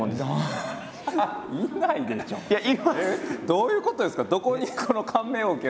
どういうことですか？